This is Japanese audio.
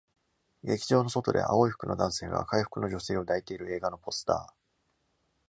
劇場の外で、青い服の男性が赤い服の女性を抱いている映画のポスター